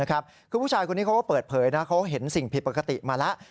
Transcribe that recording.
คือผู้ชายคนนี้เขาก็เปิดเผยนะเขาเห็นสิ่งผิดปกติมาแล้ว